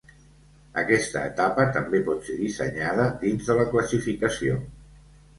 Aquesta etapa també pot ser dissenyada dins de la classificació.